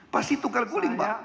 pasti tukar guling mbak